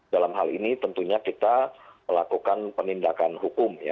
dalam hal ini tentunya kita melakukan penindakan hukum